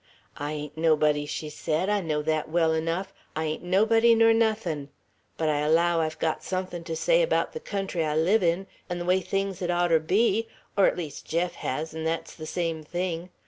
"I ain't nobody," she said; "I know thet well enough, I ain't nobody nor nothin'; but I allow I've got suthin' to say abaout the country I live in, 'n' the way things hed oughter be; or 't least Jeff hez; 'n' thet's the same thing.